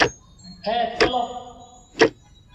হ্যাঁ, চলো।